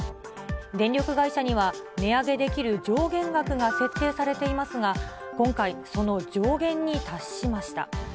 電力会社には、値上げできる上限額が設定されていますが、今回、その上限に達しました。